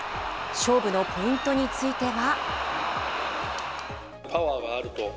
勝負のポイントについては。